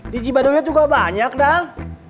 diji badonya juga banyak dah